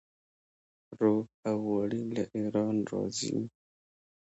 رب او غوړي له ایران راځي.